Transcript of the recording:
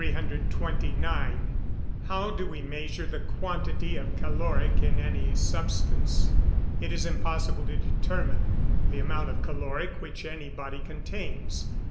329. How do we measure the quantity of caloric in any substance? It is impossible to determine the amount of caloric which any body contains.